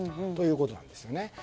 ということなんですよね。